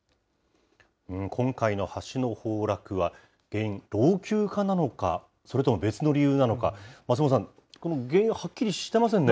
今回の橋の崩落は原因、老朽化なのか、それとも別の理由なのか、松本さん、原因ははっきりしてませんね。